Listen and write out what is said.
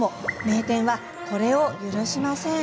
名店は、これを許しません。